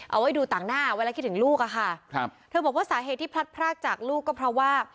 เอาไว้ดูต่างหน้าเวลาคิดถึงลูกอะค่ะครับเธอบอกว่าสาเหตุที่พลัดพรากจากลูกก็เพราะว่า